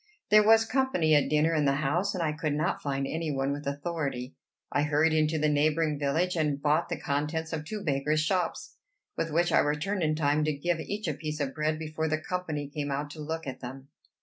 There was company at dinner in the house, and I could not find any one with authority. I hurried into the neighboring village, and bought the contents of two bakers' shops, with which I returned in time to give each a piece of bread before the company came out to look at them.